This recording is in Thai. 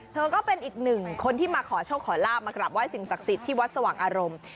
ก็เป็นอีกหนึ่งคนที่มาขอโชคขอลาบมากราบไห้สิ่งศักดิ์สิทธิ์ที่วัดสว่างอารมณ์